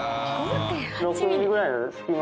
６ミリぐらいの隙間